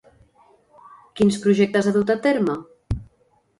Quins projectes ha dut a terme?